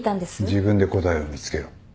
自分で答えを見つけろ。